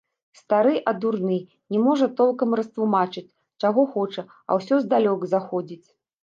Стары, а дурны, не можа толкам растлумачыць, чаго хоча, а ўсё здалёк заходзіць.